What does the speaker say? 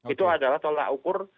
itu adalah tolak ukur